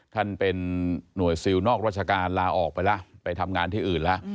ท่านเป็นหน่วยซิลนอกราชการลาออกไปแล้วไปทำงานที่อื่นแล้ว